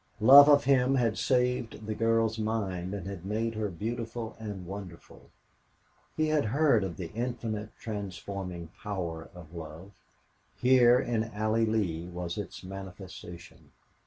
Love of him had saved the girl's mind and had made her beautiful and wonderful. He had heard of the infinite transforming power of love; here in Allie Lee was its manifestation.